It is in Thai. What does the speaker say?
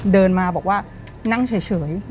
เดินมาบอกว่านั่งเฉย